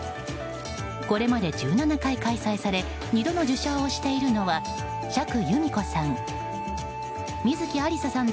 これまで１７回開催され２度の受賞をしているのは釈由美子さん